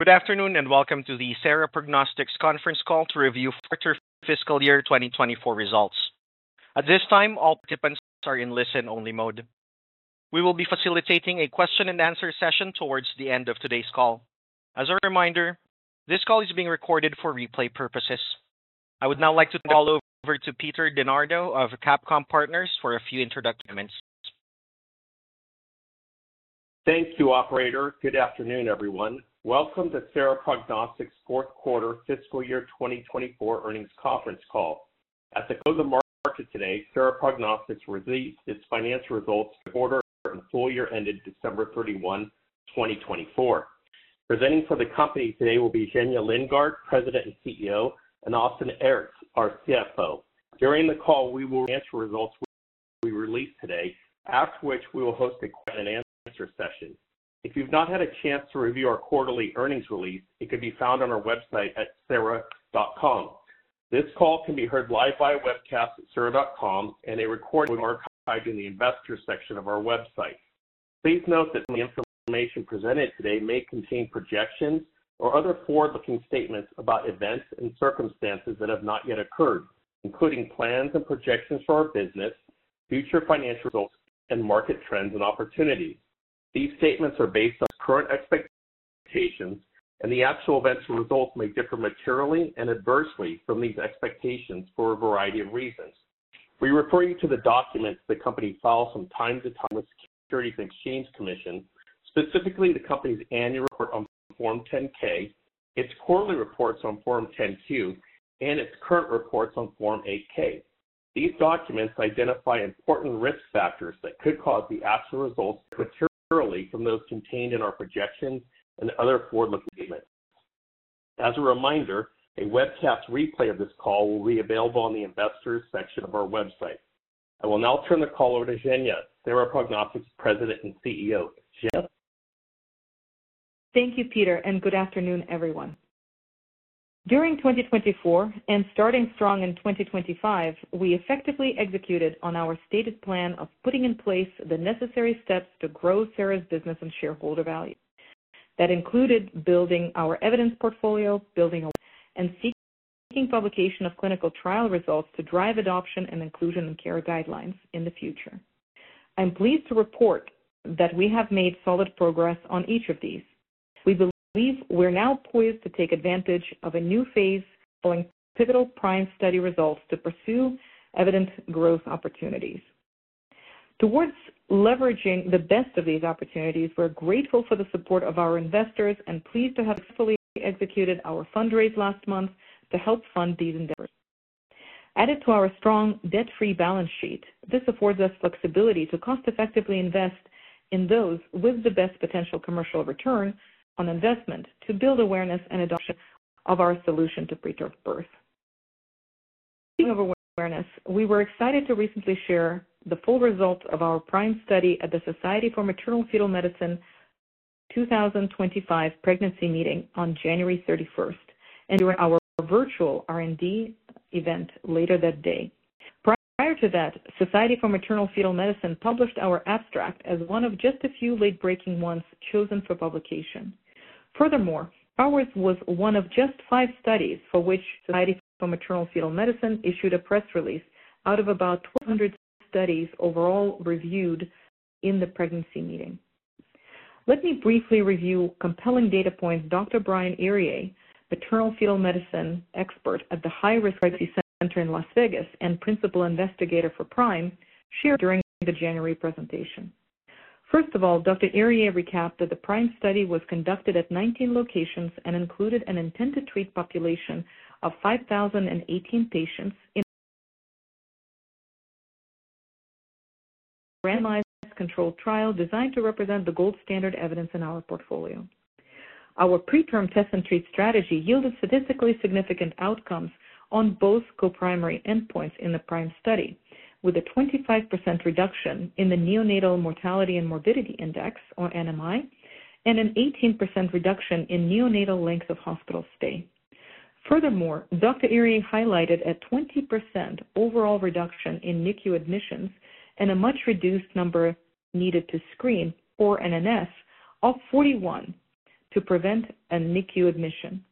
Good afternoon and welcome to the Sera Prognostics conference call to review fiscal year 2024 results. At this time, all participants are in listen-only mode. We will be facilitating a question-and-answer session towards the end of today's call. As a reminder, this call is being recorded for replay purposes. I would now like to turn it over to Peter DeNardo, of CapComm Partners, for a few introductory comments. Thank you, Operator. Good afternoon, everyone. Welcome to Sera Prognostics Fourth Quarter Fiscal Year 2024 Earnings Conference Call. At the close of the market today, Sera Prognostics released its financial results quarter-end for year ended December 31, 2024. Presenting for the company today will be Zhenya Lindgardt, President and CEO, and Austin Aerts, our CFO. During the call, we will answer results we released today, after which we will host a question-and-answer session. If you have not had a chance to review our quarterly earnings release, it can be found on our website at sera.com. This call can be heard live via webcast at sera.com, and a recording will be archived in the investor section of our website. Please note that the information presented today may contain projections or other forward-looking statements about events and circumstances that have not yet occurred, including plans and projections for our business, future financial results, and market trends and opportunities. These statements are based on current expectations, and the actual events and results may differ materially and adversely from these expectations for a variety of reasons. We refer you to the documents the company files from time to time with the Securities and Exchange Commission, specifically the company's annual report on Form 10-K, its quarterly reports on Form 10-Q, and its current reports on Form 8-K. These documents identify important risk factors that could cause the actual results to differ materially from those contained in our projections and other forward-looking statements. As a reminder, a webcast replay of this call will be available on the investors' section of our website. I will now turn the call over to Zhenya, Sera Prognostics President and CEO. Thank you, Peter, and good afternoon, everyone. During 2024 and starting strong in 2025, we effectively executed on our stated plan of putting in place the necessary steps to grow Sera's business and shareholder value. That included building our evidence portfolio, seeking publication of clinical trial results to drive adoption and inclusion in care guidelines in the future. I'm pleased to report that we have made solid progress on each of these. We believe we're now poised to take advantage of a new phase following pivotal PRIME study results to pursue evident growth opportunities. Towards leveraging the best of these opportunities, we're grateful for the support of our investors and pleased to have successfully executed our fundraise last month to help fund these initiatives. Added to our strong debt-free balance sheet, this affords us flexibility to cost-effectively invest in those with the best potential commercial return on investment to build awareness and adoption of our solution to preterm birth. Speaking of awareness, we were excited to recently share the full result of our PRIME study at the Society for Maternal Fetal Medicine 2025 Pregnancy Meeting on January 31st and our virtual R&D event later that day. Prior to that, Society for Maternal Fetal Medicine published our abstract as one of just a few late-breaking ones chosen for publication. Furthermore, ours was one of just five studies for which Society for Maternal Fetal Medicine issued a press release out of about 1,200 studies overall reviewed in the Pregnancy Meeting. Let me briefly review compelling data points Dr. Brian Iriye, maternal-fetal medicine expert at the High Risk Pregnancy Center in Las Vegas and principal investigator for PRIME, shared during the January presentation. First of all, Dr. Iriye recapped that the PRIME study was conducted at 19 locations and included an intended-to-treat population of 5,018 patients in a randomized controlled trial designed to represent the gold standard evidence in our portfolio. Our PreTRM Test and treat strategy yielded statistically significant outcomes on both co-primary endpoints in the PRIME study, with a 25% reduction in the Neonatal Mortality and Morbidity Index, or NMI, and an 18% reduction in neonatal length of hospital stay. Furthermore, Dr. Irie highlighted a 20% overall reduction in NICU admissions and a much reduced Number Needed to Screen, or NNS, of 41 to prevent a NICU admission.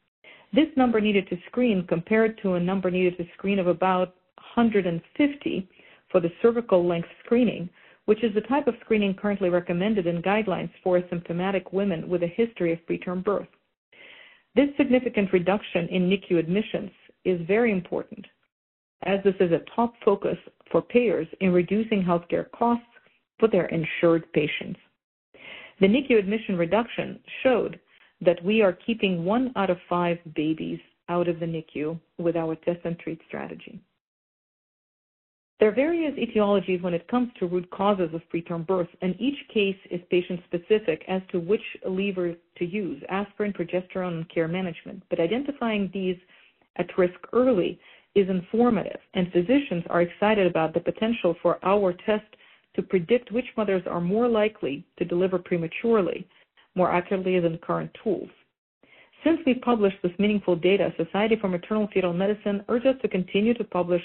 This number needed to screen compared to a number needed to screen of about 150 for the cervical length screening, which is the type of screening currently recommended in guidelines for symptomatic women with a history of preterm birth. This significant reduction in NICU admissions is very important, as this is a top focus for payers in reducing healthcare costs for their insured patients. The NICU admission reduction showed that we are keeping one out of five babies out of the NICU with our test and treat strategy. There are various etiologies when it comes to root causes of preterm birth, and each case is patient-specific as to which lever to use: aspirin, progesterone, and care management. Identifying these at risk early is informative, and physicians are excited about the potential for our test to predict which mothers are more likely to deliver prematurely more accurately than current tools. Since we published this meaningful data, Society for Maternal Fetal Medicine urges us to continue to publish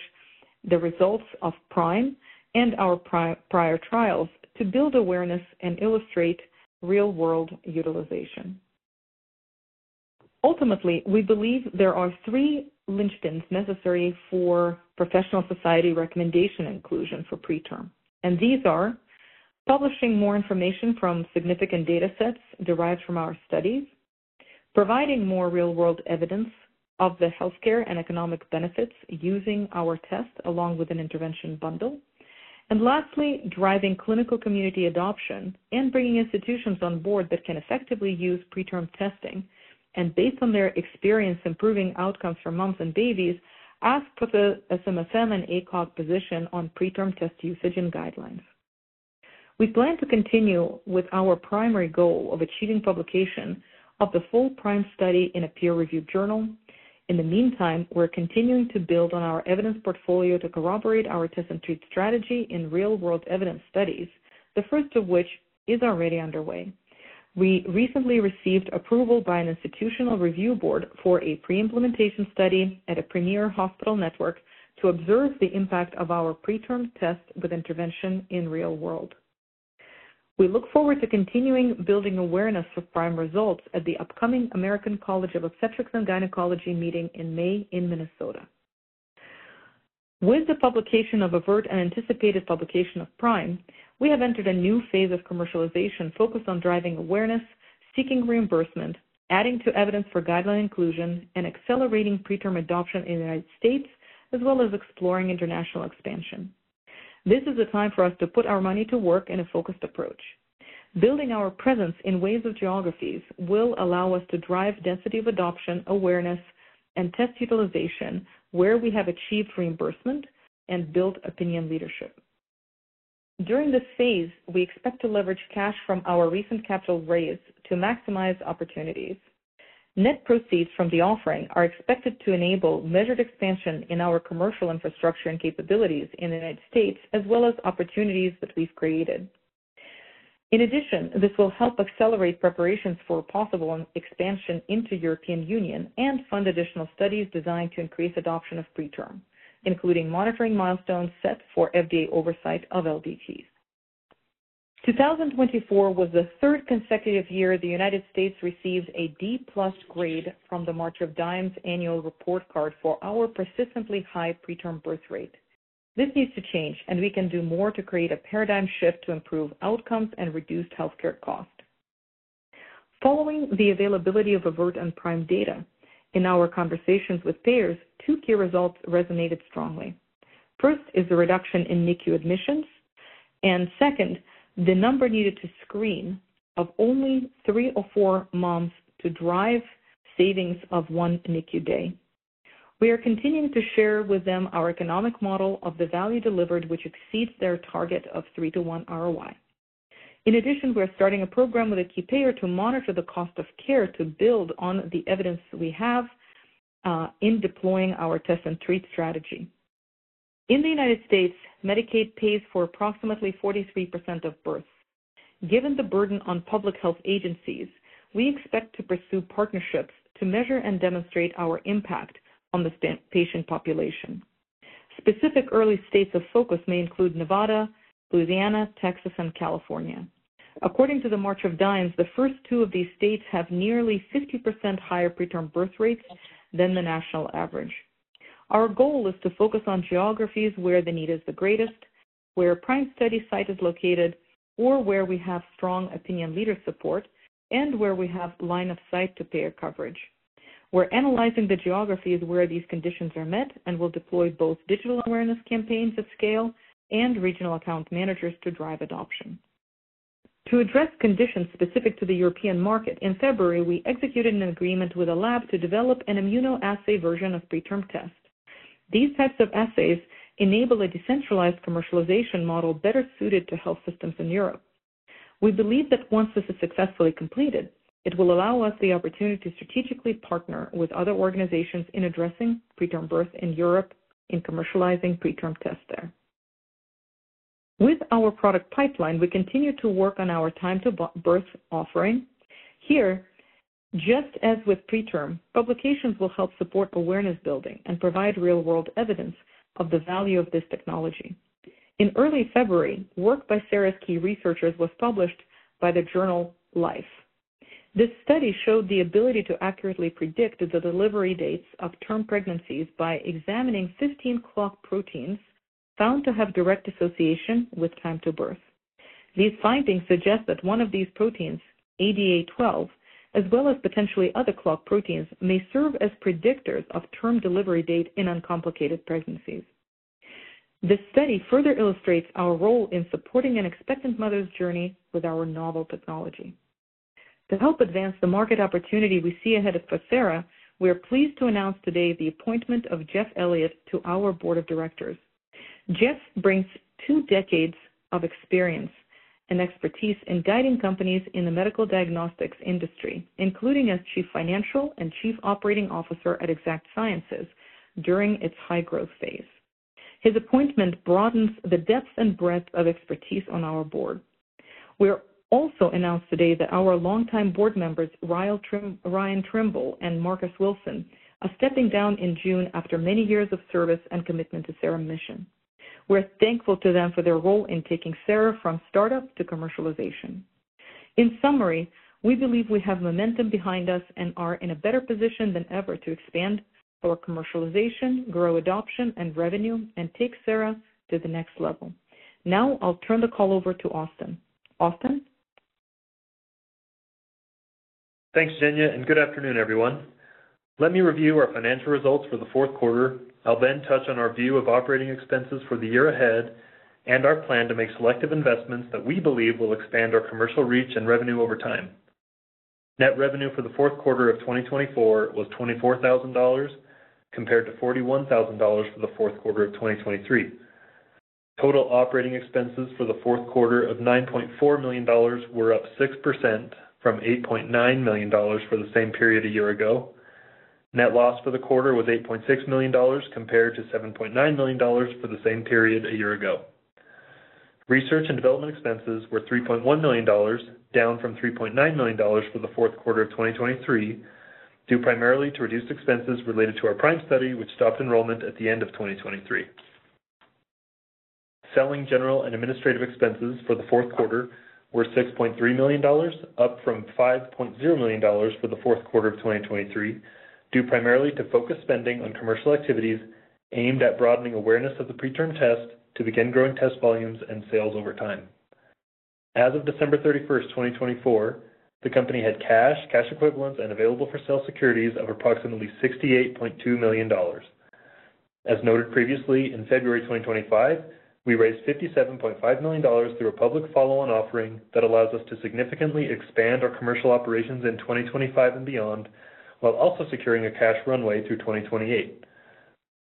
the results of PRIME and our prior trials to build awareness and illustrate real-world utilization. Ultimately, we believe there are three linchpins necessary for professional society recommendation inclusion for PreTRM, and these are: publishing more information from significant data sets derived from our studies, providing more real-world evidence of the healthcare and economic benefits using our test along with an intervention bundle, and lastly, driving clinical community adoption and bringing institutions on board that can effectively use PreTRM testing and, based on their experience, improving outcomes for moms and babies as per the SMFM and ACOG position on PreTRM test usage and guidelines. We plan to continue with our primary goal of achieving publication of the full PRIME study in a peer-reviewed journal. In the meantime, we're continuing to build on our evidence portfolio to corroborate our test and treat strategy in real-world evidence studies, the first of which is already underway. We recently received approval by an institutional review board for a pre-implementation study at a premier hospital network to observe the impact of our PreTRM Test with intervention in real world. We look forward to continuing building awareness of PRIME results at the upcoming American College of Obstetricians and Gynecologists meeting in May in Minnesota. With the publication of AVERT and anticipated publication of PRIME, we have entered a new phase of commercialization focused on driving awareness, seeking reimbursement, adding to evidence for guideline inclusion, and accelerating PreTRM adoption in the United States, as well as exploring international expansion. This is a time for us to put our money to work in a focused approach. Building our presence in ways of geographies will allow us to drive density of adoption, awareness, and test utilization where we have achieved reimbursement and built opinion leadership. During this phase, we expect to leverage cash from our recent capital raise to maximize opportunities. Net proceeds from the offering are expected to enable measured expansion in our commercial infrastructure and capabilities in the United States, as well as opportunities that we've created. In addition, this will help accelerate preparations for possible expansion into the European Union and fund additional studies designed to increase adoption of PreTRM, including monitoring milestones set for FDA oversight of LDTs. 2024 was the third consecutive year the United States received a D-plus grade from the March of Dimes annual report card for our persistently high preterm birth rate. This needs to change, and we can do more to create a paradigm shift to improve outcomes and reduce healthcare costs. Following the availability of AVERT and PRIME data in our conversations with payers, two key results resonated strongly. First is the reduction in NICU admissions, and second, the number needed to screen of only three or four moms to drive savings of one NICU day. We are continuing to share with them our economic model of the value delivered, which exceeds their target of 3:1 ROI. In addition, we are starting a program with a key payer to monitor the cost of care to build on the evidence we have in deploying our test and treat strategy. In the United States, Medicaid pays for approximately 43% of births. Given the burden on public health agencies, we expect to pursue partnerships to measure and demonstrate our impact on the patient population. Specific early states of focus may include Nevada, Louisiana, Texas, and California. According to the March of Dimes, the first two of these states have nearly 50% higher preterm birth rates than the national average. Our goal is to focus on geographies where the need is the greatest, where a PRIME study site is located, or where we have strong opinion leader support and where we have line of sight to payer coverage. We're analyzing the geographies where these conditions are met and will deploy both digital awareness campaigns at scale and regional account managers to drive adoption. To address conditions specific to the European market, in February, we executed an agreement with a lab to develop an immunoassay version of PreTRM Test. These types of assays enable a decentralized commercialization model better suited to health systems in Europe. We believe that once this is successfully completed, it will allow us the opportunity to strategically partner with other organizations in addressing preterm birth in Europe and commercializing PreTRM Test there. With our product pipeline, we continue to work on our Time-to-Birth offering. Here, just as with PreTRM, publications will help support awareness building and provide real-world evidence of the value of this technology. In early February, work by Sera's key researchers was published by the journal Life. This study showed the ability to accurately predict the delivery dates of term pregnancies by examining 15 clock proteins found to have direct association with time-to-birth. These findings suggest that one of these proteins, ADA12, as well as potentially other clock proteins, may serve as predictors of term delivery date in uncomplicated pregnancies. This study further illustrates our role in supporting an expectant mother's journey with our novel technology. To help advance the market opportunity we see ahead for Sera, we are pleased to announce today the appointment of Jeff Elliott to our board of directors. Jeff brings two decades of experience and expertise in guiding companies in the medical diagnostics industry, including as Chief Financial and Chief Operating Officer at Exact Sciences during its high-growth phase. His appointment broadens the depth and breadth of expertise on our board. We also announced today that our longtime board members, Ryan Trimble and Marcus Wilson, are stepping down in June after many years of service and commitment to Sera's mission. We're thankful to them for their role in taking Sera from startup to commercialization. In summary, we believe we have momentum behind us and are in a better position than ever to expand our commercialization, grow adoption and revenue, and take Sera to the next level. Now, I'll turn the call over to Austin. Austin? Thanks, Zhenya, and good afternoon, everyone. Let me review our financial results for the fourth quarter. I'll then touch on our view of operating expenses for the year ahead and our plan to make selective investments that we believe will expand our commercial reach and revenue over time. Net revenue for the fourth quarter of 2024 was $24,000 compared to $41,000 for the fourth quarter of 2023. Total operating expenses for the fourth quarter of $9.4 million were up 6% from $8.9 million for the same period a year ago. Net loss for the quarter was $8.6 million compared to $7.9 million for the same period a year ago. Research and development expenses were $3.1 million, down from $3.9 million for the fourth quarter of 2023, due primarily to reduced expenses related to our PRIME study, which stopped enrollment at the end of 2023. Selling general and administrative expenses for the fourth quarter were $6.3 million, up from $5.0 million for the fourth quarter of 2023, due primarily to focused spending on commercial activities aimed at broadening awareness of the PreTRM Test to begin growing test volumes and sales over time. As of December 31, 2024, the company had cash, cash equivalents, and available-for-sale securities of approximately $68.2 million. As noted previously, in February 2025, we raised $57.5 million through a public follow-on offering that allows us to significantly expand our commercial operations in 2025 and beyond, while also securing a cash runway through 2028.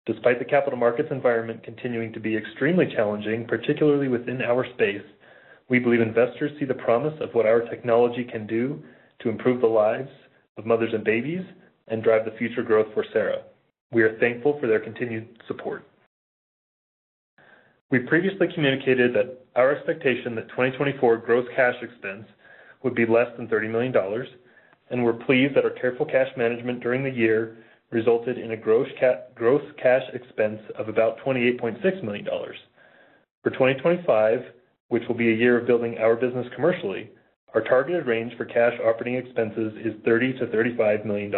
Despite the capital markets environment continuing to be extremely challenging, particularly within our space, we believe investors see the promise of what our technology can do to improve the lives of mothers and babies and drive the future growth for Sera Prognostics. We are thankful for their continued support. We previously communicated that our expectation that 2024 gross cash expense would be less than $30 million, and we're pleased that our careful cash management during the year resulted in a gross cash expense of about $28.6 million. For 2025, which will be a year of building our business commercially, our targeted range for cash operating expenses is $30 million-$35 million.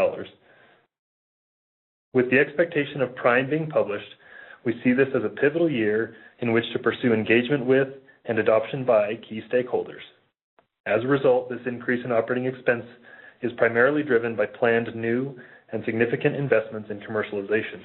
With the expectation of PRIME being published, we see this as a pivotal year in which to pursue engagement with and adoption by key stakeholders. As a result, this increase in operating expense is primarily driven by planned new and significant investments in commercialization.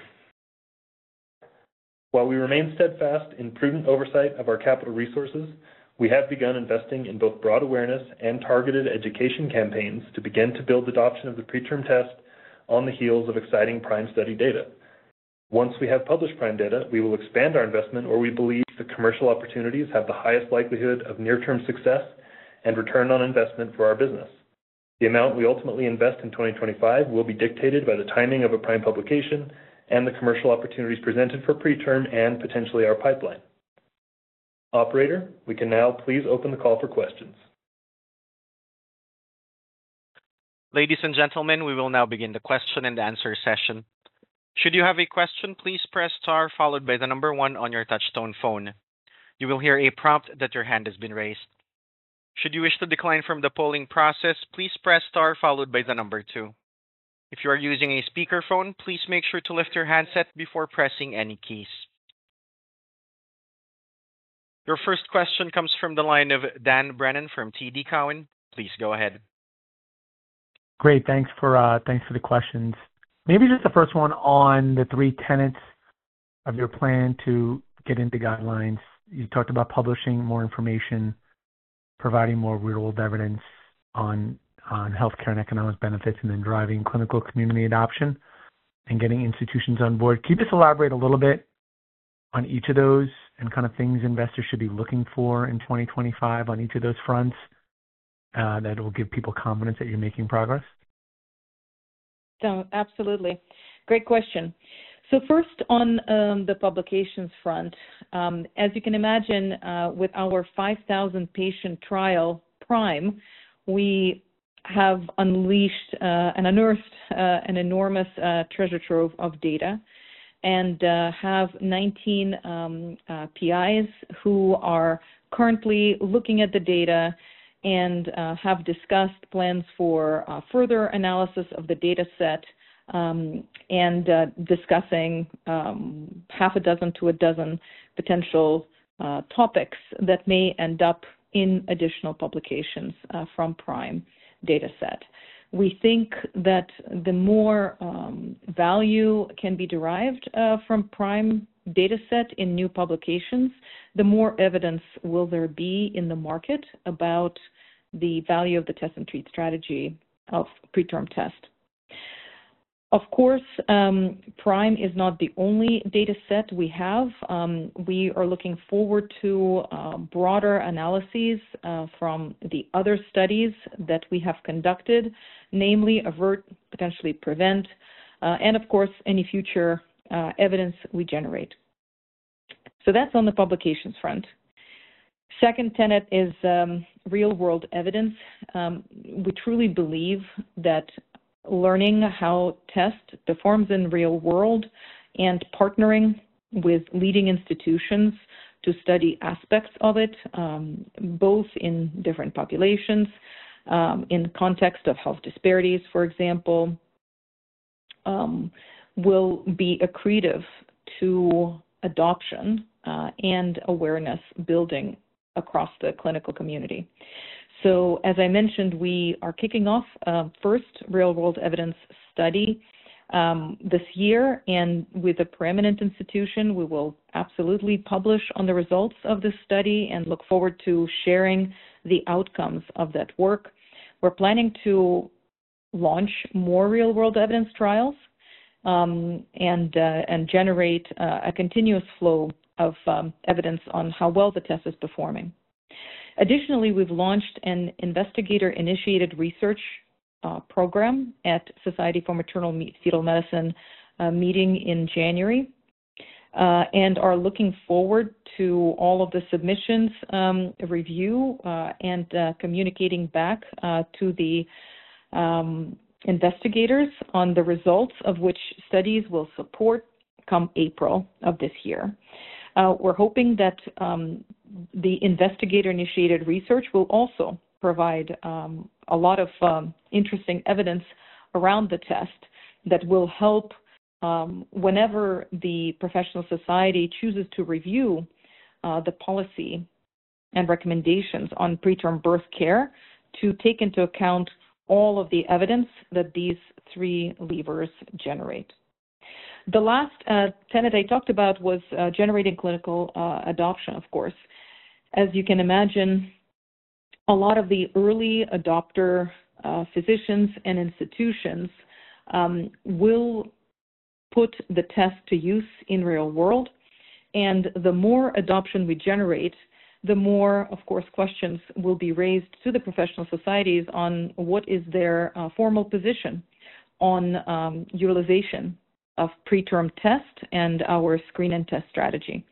While we remain steadfast in prudent oversight of our capital resources, we have begun investing in both broad awareness and targeted education campaigns to begin to build adoption of the PreTRM Test on the heels of exciting PRIME study data. Once we have published PRIME data, we will expand our investment, or we believe the commercial opportunities have the highest likelihood of near-term success and return on investment for our business. The amount we ultimately invest in 2025 will be dictated by the timing of a PRIME publication and the commercial opportunities presented for PreTRM and potentially our pipeline. Operator, we can now please open the call for questions. Ladies and gentlemen, we will now begin the question and answer session. Should you have a question, please press star followed by the number one on your touch-tone phone. You will hear a prompt that your hand has been raised. Should you wish to decline from the polling process, please press star followed by the number two. If you are using a speakerphone, please make sure to lift your handset before pressing any keys. Your first question comes from the line of Dan Brennan from TD Cowen. Please go ahead. Great. Thanks for the questions. Maybe just the first one on the three tenets of your plan to get into guidelines. You talked about publishing more information, providing more real-world evidence on healthcare and economic benefits, and then driving clinical community adoption and getting institutions on board. Can you just elaborate a little bit on each of those and kind of things investors should be looking for in 2025 on each of those fronts that will give people confidence that you're making progress? Absolutely. Great question. First, on the publications front, as you can imagine, with our 5,000-patient trial PRIME, we have unleashed and unearthed an enormous treasure trove of data and have 19 PIs who are currently looking at the data and have discussed plans for further analysis of the data set and discussing half a dozen to a dozen potential topics that may end up in additional publications from PRIME data set. We think that the more value can be derived from PRIME data set in new publications, the more evidence will there be in the market about the value of the test and treat strategy of PreTRM Test. Of course, PRIME is not the only data set we have. We are looking forward to broader analyses from the other studies that we have conducted, namely AVERT, potentially PREVENT, and of course, any future evidence we generate. That's on the publications front. The second tenet is real-world evidence. We truly believe that learning how the test performs in the real world and partnering with leading institutions to study aspects of it, both in different populations in the context of health disparities, for example, will be accretive to adoption and awareness building across the clinical community. As I mentioned, we are kicking off the first real-world evidence study this year, and with a preeminent institution, we will absolutely publish on the results of this study and look forward to sharing the outcomes of that work. We're planning to launch more real-world evidence trials and generate a continuous flow of evidence on how well the test is performing. Additionally, we've launched an investigator-initiated research program at Society for Maternal Fetal Medicine meeting in January and are looking forward to all of the submissions review and communicating back to the investigators on the results of which studies will support come April of this year. We're hoping that the investigator-initiated research will also provide a lot of interesting evidence around the test that will help whenever the professional society chooses to review the policy and recommendations on preterm birth care to take into account all of the evidence that these three levers generate. The last tenet I talked about was generating clinical adoption, of course. As you can imagine, a lot of the early adopter physicians and institutions will put the test to use in real world, and the more adoption we generate, the more, of course, questions will be raised to the professional societies on what is their formal position on utilization of PreTRM Test and our screen and test strategy.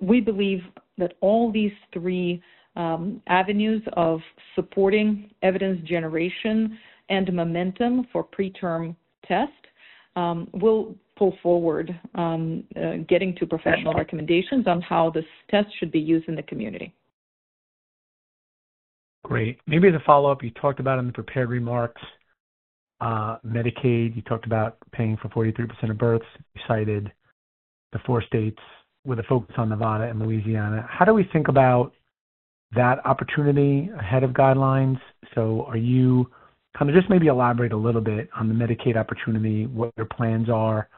We believe that all these three avenues of supporting evidence generation and momentum for PreTRM Test will pull forward, getting to professional recommendations on how this test should be used in the community. Great. Maybe the follow-up, you talked about in the prepared remarks, Medicaid, you talked about paying for 43% of births, you cited the four states with a focus on Nevada and Louisiana. How do we think about that opportunity ahead of guidelines? Are you kind of just maybe elaborate a little bit on the Medicaid opportunity, what your plans are,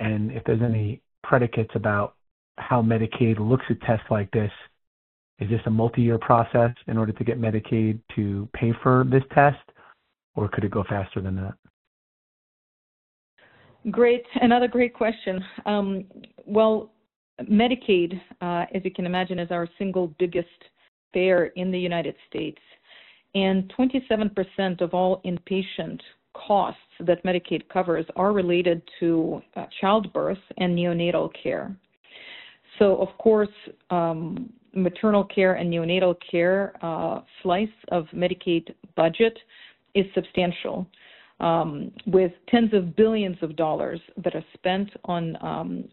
and if there's any predicates about how Medicaid looks at tests like this? Is this a multi-year process in order to get Medicaid to pay for this test, or could it go faster than that? Great. Another great question. Medicaid, as you can imagine, is our single biggest payer in the United States, and 27% of all inpatient costs that Medicaid covers are related to childbirth and neonatal care. Of course, maternal care and neonatal care, slice of Medicaid budget is substantial, with tens of billions of dollars that are spent on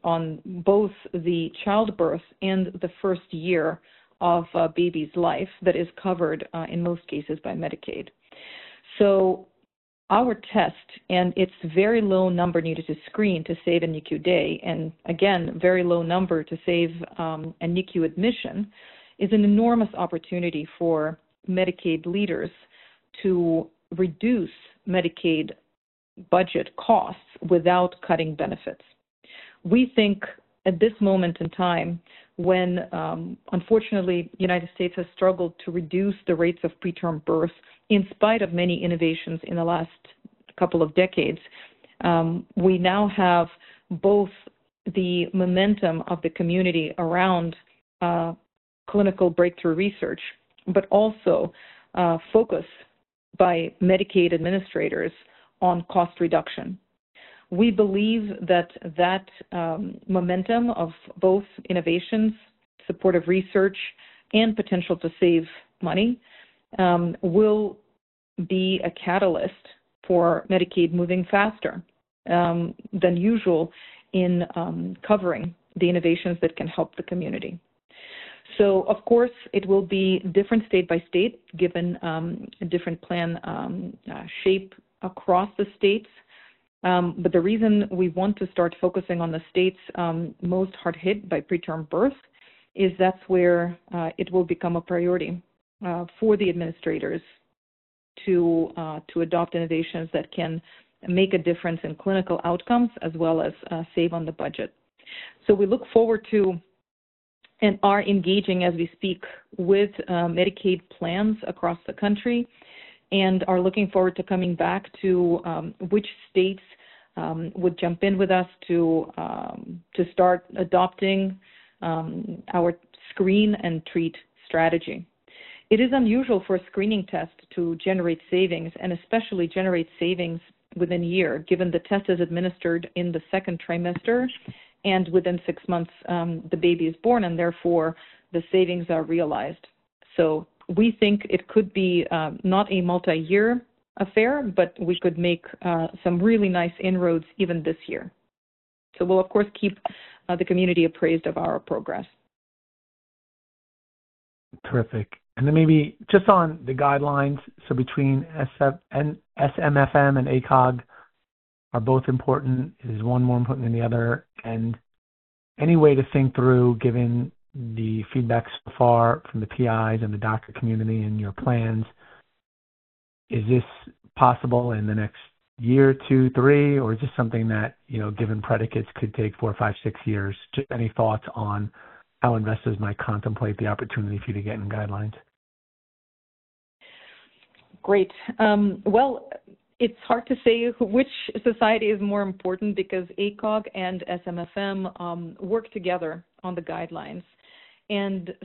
both the childbirth and the first year of a baby's life that is covered in most cases by Medicaid. Our test and its very low number needed to screen to save a NICU day, and again, very low number to save a NICU admission, is an enormous opportunity for Medicaid leaders to reduce Medicaid budget costs without cutting benefits. We think at this moment in time, when unfortunately the United States has struggled to reduce the rates of preterm birth in spite of many innovations in the last couple of decades, we now have both the momentum of the community around clinical breakthrough research, but also focus by Medicaid administrators on cost reduction. We believe that that momentum of both innovations, supportive research, and potential to save money will be a catalyst for Medicaid moving faster than usual in covering the innovations that can help the community. Of course, it will be different state by state given different plan shape across the states, but the reason we want to start focusing on the states most hard hit by preterm birth is that's where it will become a priority for the administrators to adopt innovations that can make a difference in clinical outcomes as well as save on the budget. We look forward to and are engaging as we speak with Medicaid plans across the country and are looking forward to coming back to which states would jump in with us to start adopting our screen and treat strategy. It is unusual for a screening test to generate savings and especially generate savings within a year given the test is administered in the second trimester and within six months the baby is born and therefore the savings are realized. We think it could be not a multi-year affair, but we could make some really nice inroads even this year. We will, of course, keep the community appraised of our progress. Terrific. Maybe just on the guidelines, so between SMFM and ACOG are both important, is one more important than the other, and any way to think through given the feedback so far from the PIs and the doctor community and your plans, is this possible in the next year, two, three, or is this something that given predicates could take four, five, six years? Just any thoughts on how investors might contemplate the opportunity for you to get in guidelines? Great. It's hard to say which society is more important because ACOG and SMFM work together on the guidelines.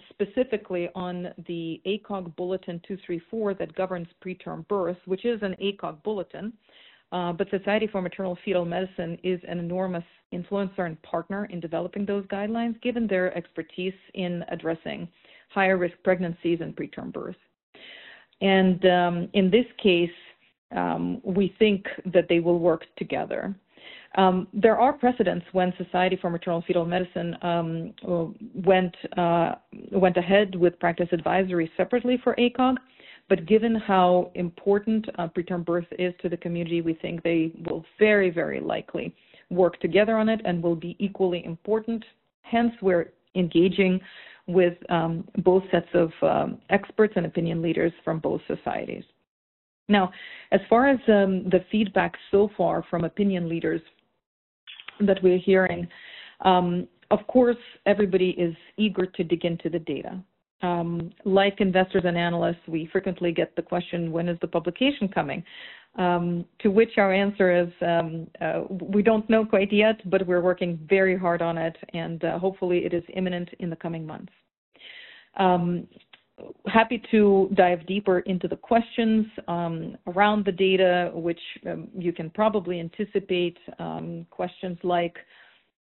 Specifically on the ACOG Bulletin 234 that governs preterm birth, which is an ACOG bulletin, but Society for Maternal Fetal Medicine is an enormous influencer and partner in developing those guidelines given their expertise in addressing higher risk pregnancies and preterm birth. In this case, we think that they will work together. There are precedents when Society for Maternal Fetal Medicine went ahead with practice advisory separately for ACOG, but given how important preterm birth is to the community, we think they will very, very likely work together on it and will be equally important. Hence, we're engaging with both sets of experts and opinion leaders from both societies. Now, as far as the feedback so far from opinion leaders that we're hearing, of course, everybody is eager to dig into the data. Like investors and analysts, we frequently get the question, when is the publication coming? To which our answer is, we don't know quite yet, but we're working very hard on it, and hopefully it is imminent in the coming months. Happy to dive deeper into the questions around the data, which you can probably anticipate questions like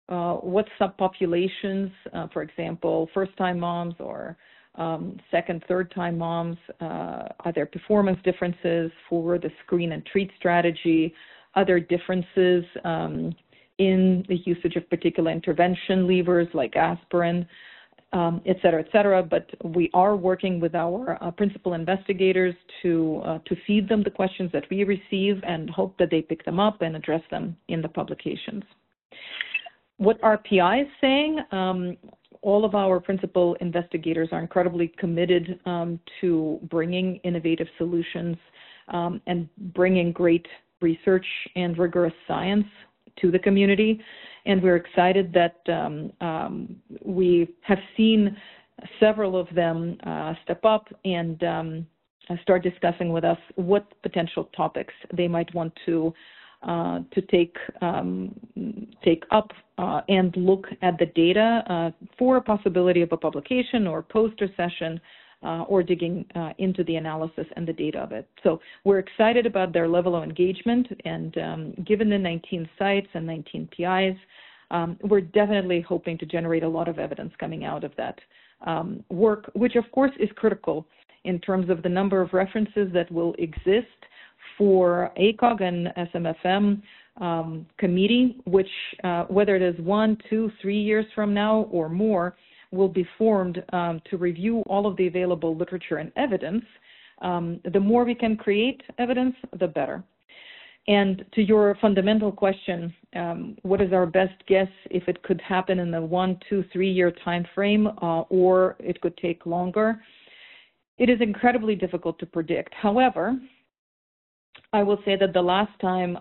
what subpopulations, for example, first-time moms or second, third-time moms, are there performance differences for the screen and treat strategy, other differences in the usage of particular intervention levers like aspirin, etc., etc. We are working with our principal investigators to feed them the questions that we receive and hope that they pick them up and address them in the publications. What are PIs saying? All of our principal investigators are incredibly committed to bringing innovative solutions and bringing great research and rigorous science to the community. We are excited that we have seen several of them step up and start discussing with us what potential topics they might want to take up and look at the data for a possibility of a publication or poster session or digging into the analysis and the data of it. We are excited about their level of engagement, and given the 19 sites and 19 PIs, we are definitely hoping to generate a lot of evidence coming out of that work, which of course is critical in terms of the number of references that will exist for ACOG and SMFM committee, which whether it is one, two, three years from now or more will be formed to review all of the available literature and evidence. The more we can create evidence, the better. To your fundamental question, what is our best guess if it could happen in the one, two, three-year timeframe or it could take longer? It is incredibly difficult to predict. However, I will say that the last time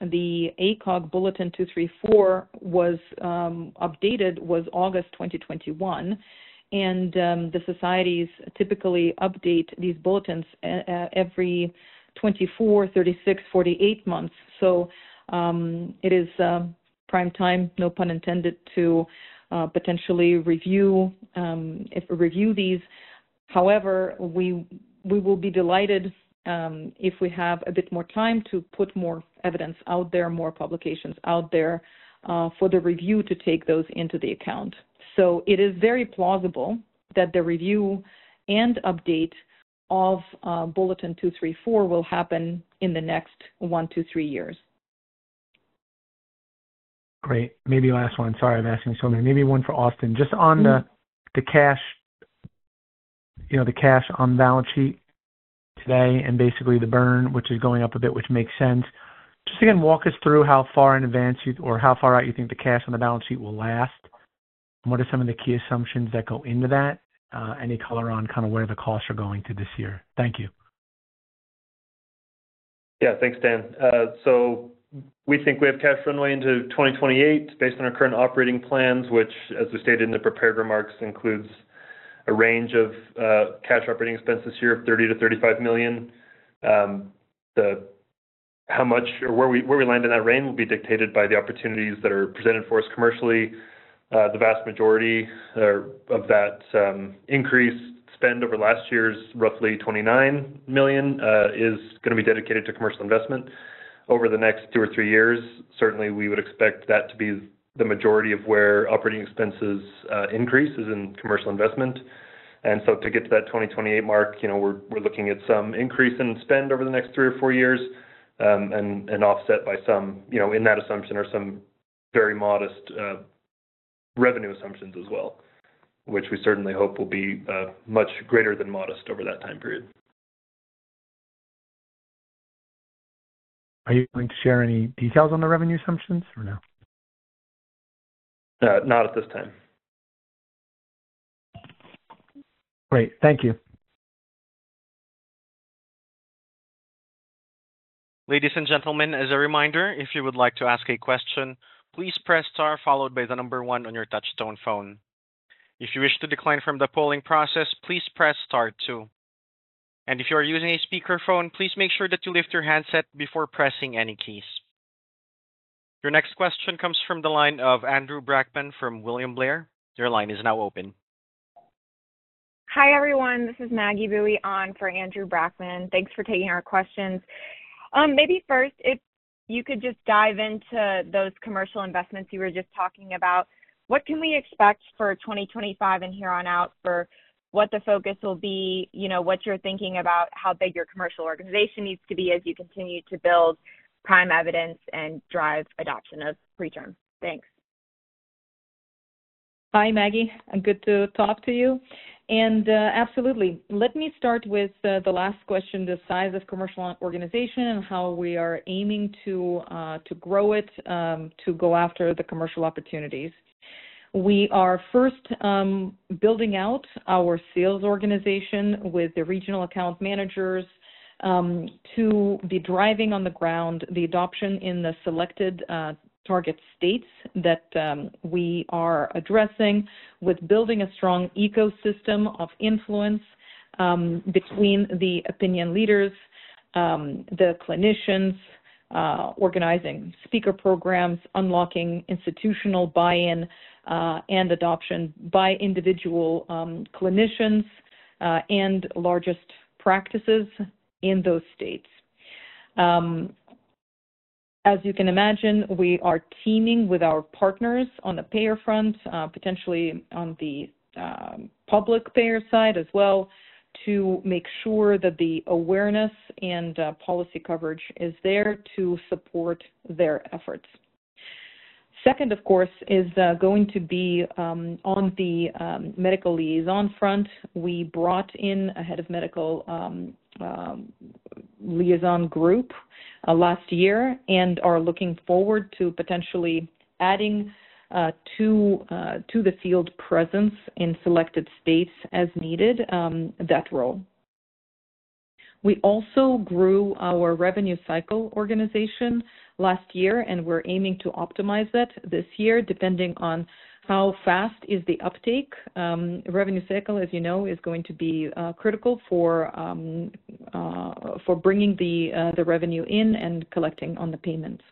the ACOG Bulletin 234 was updated was August 2021, and the societies typically update these bulletins every 24, 36, 48 months. It is prime time, no pun intended, to potentially review these. However, we will be delighted if we have a bit more time to put more evidence out there, more publications out there for the review to take those into the account. It is very plausible that the review and update of Bulletin 234 will happen in the next one, two, three years. Great. Maybe last one. Sorry, I'm asking so many. Maybe one for Austin. Just on the cash on the balance sheet today and basically the burn, which is going up a bit, which makes sense. Just again, walk us through how far in advance or how far out you think the cash on the balance sheet will last and what are some of the key assumptions that go into that? Any color on kind of where the costs are going to this year? Thank you. Yeah. Thanks, Dan. We think we have cash runway into 2028 based on our current operating plans, which, as we stated in the prepared remarks, includes a range of cash operating expenses here of $30 million-$35 million. How much or where we land in that range will be dictated by the opportunities that are presented for us commercially. The vast majority of that increased spend over last year's roughly $29 million is going to be dedicated to commercial investment over the next two or three years. Certainly, we would expect that to be the majority of where operating expenses increase is in commercial investment. To get to that 2028 mark, we're looking at some increase in spend over the next three or four years and offset by some in that assumption or some very modest revenue assumptions as well, which we certainly hope will be much greater than modest over that time period. Are you going to share any details on the revenue assumptions or no? Not at this time. Great. Thank you. Ladies and gentlemen, as a reminder, if you would like to ask a question, please press star followed by the number one on your touch-tone phone. If you wish to decline from the polling process, please press star two. If you are using a speakerphone, please make sure that you lift your handset before pressing any keys. Your next question comes from the line of Andrew Brackmann from William Blair. Your line is now open. Hi everyone. This is Maggie Bowie on for Andrew Brackman. Thanks for taking our questions. Maybe first, if you could just dive into those commercial investments you were just talking about, what can we expect for 2025 and here on out for what the focus will be, what you're thinking about, how big your commercial organization needs to be as you continue to build PRIME evidence and drive adoption of PreTRM? Thanks. Hi, Maggie. Good to talk to you. Absolutely. Let me start with the last question, the size of commercial organization and how we are aiming to grow it to go after the commercial opportunities. We are first building out our sales organization with the regional account managers to be driving on the ground the adoption in the selected target states that we are addressing with building a strong ecosystem of influence between the opinion leaders, the clinicians, organizing speaker programs, unlocking institutional buy-in and adoption by individual clinicians and largest practices in those states. As you can imagine, we are teaming with our partners on the payer front, potentially on the public payer side as well to make sure that the awareness and policy coverage is there to support their efforts. Second, of course, is going to be on the medical liaison front. We brought in a head of medical liaison group last year and are looking forward to potentially adding to the field presence in selected states as needed that role. We also grew our revenue cycle organization last year and we're aiming to optimize that this year depending on how fast is the uptake. Revenue cycle, as you know, is going to be critical for bringing the revenue in and collecting on the payments.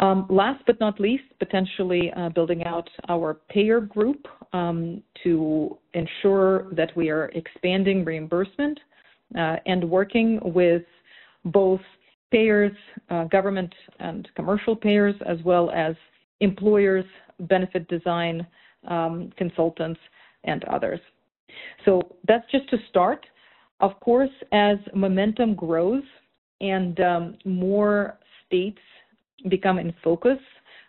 Last but not least, potentially building out our payer group to ensure that we are expanding reimbursement and working with both payers, government and commercial payers, as well as employers, benefit design consultants, and others. That is just to start. Of course, as momentum grows and more states become in focus,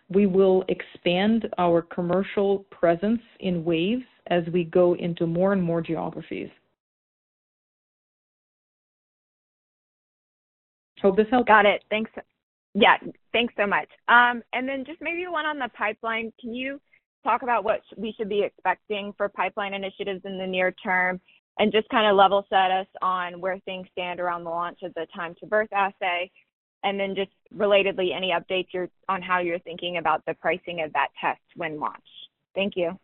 we will expand our commercial presence in waves as we go into more and more geographies. Hope this helps. Got it. Thanks. Yeah. Thanks so much. Maybe one on the pipeline. Can you talk about what we should be expecting for pipeline initiatives in the near term and just kind of level set us on where things stand around the launch of the Time-to-Birth assay? Just relatedly, any updates on how you're thinking about the pricing of that test when launched? Thank you.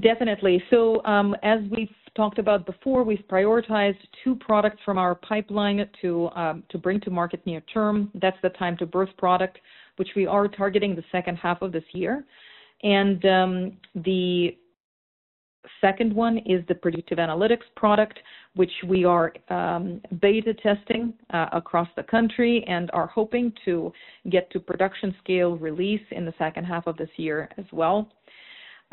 Definitely. As we've talked about before, we've prioritized two products from our pipeline to bring to market near term. That's the Time-to-Birth product, which we are targeting the second half of this year. The second one is the Predictive Analytics Product, which we are beta testing across the country and are hoping to get to production scale release in the second half of this year as well.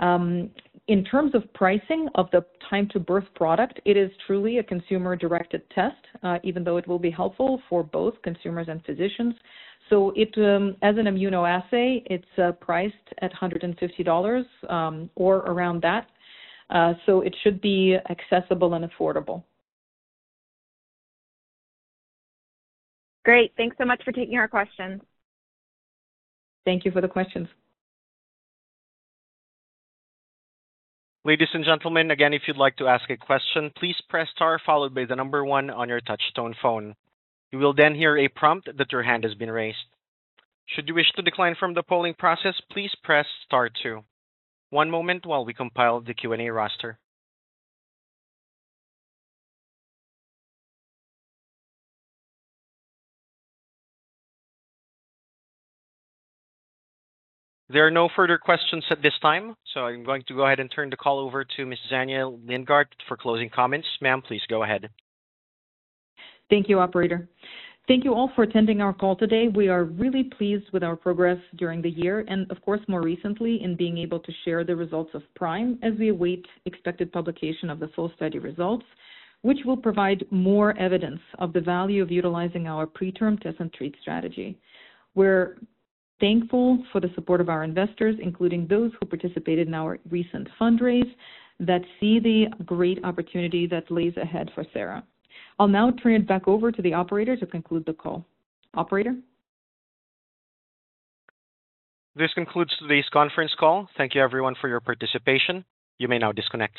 In terms of pricing of the Time-to-Birth product, it is truly a consumer-directed test, even though it will be helpful for both consumers and physicians. As an immunoassay, it's priced at $150 or around that. It should be accessible and affordable. Great. Thanks so much for taking our questions. Thank you for the questions. Ladies and gentlemen, again, if you'd like to ask a question, please press star followed by the number one on your touchstone phone. You will then hear a prompt that your hand has been raised. Should you wish to decline from the polling process, please press star two. One moment while we compile the Q&A roster. There are no further questions at this time, so I'm going to go ahead and turn the call over to Ms. Zhenya Lindgardt for closing comments. Ma'am, please go ahead. Thank you, Operator. Thank you all for attending our call today. We are really pleased with our progress during the year and, of course, more recently in being able to share the results of PRIME as we await expected publication of the full study results, which will provide more evidence of the value of utilizing our PreTRM Test and treat strategy. We're thankful for the support of our investors, including those who participated in our recent fundraise, that see the great opportunity that lays ahead for Sera Prognostics. I'll now turn it back over to the operator to conclude the call. Operator. This concludes today's conference call. Thank you, everyone, for your participation. You may now disconnect.